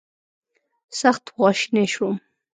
سخت خواشینی شوم.